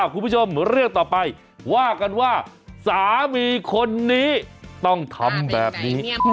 คุณผู้ชมเรื่องต่อไปว่ากันว่าสามีคนนี้ต้องทำแบบนี้